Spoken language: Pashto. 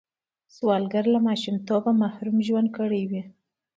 سوالګر له ماشومتوبه محروم ژوند کړی وي